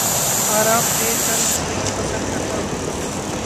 آرام دہ طرز زندگی پسند کرتا ہوں